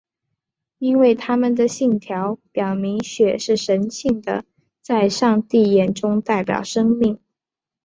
因为他们的信条表明血是神性的在上帝眼中代表生命。